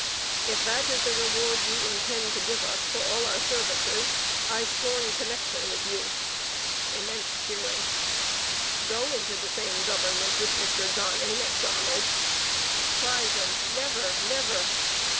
] If that is the reward you intend to give us all for our services, I scorn connection with you. [Immense cheering.] Go into the same government with Mr John A. Macdonald! [Cries of never! never!